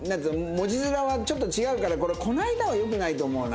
文字面はちょっと違うからこれ「こないだ」は良くないと思うな。